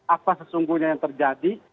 apa sesungguhnya yang terjadi